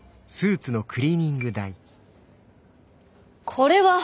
これは。